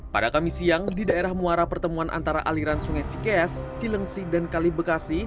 pada kamis siang di daerah muara pertemuan antara aliran sungai cikeas cilengsi dan kali bekasi